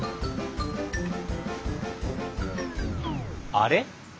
あれ？